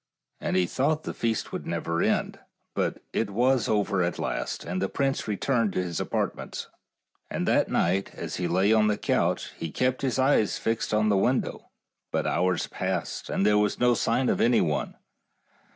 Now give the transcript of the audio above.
And he thought the feast would never end ; but it was over at last, and the prince returned to his apartments. And that night, as he lay on his couch, he kept his eyes fixed upon the win dow; but hours passed, and there was no sign of anyone.